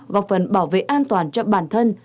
gọc phần bảo vệ an toàn cho bản thân